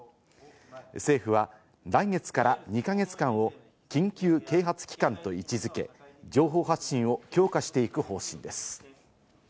政府は来月から２か月間を緊急啓発期間と位置付け、情報発信を強化していく方針です。